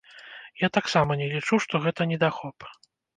Я таксама не лічу, што гэта недахоп.